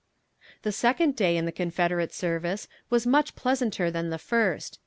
The second day in the Confederate service was much pleasanter than the first.